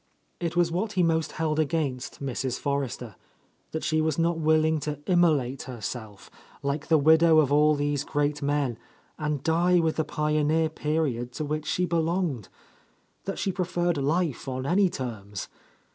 It was what he most held against Mrs, For rester; that she was not willing to immolate her self, like the widow of all these great men, and die with the pioneer period to which she belonged; that she preferred life on any terms.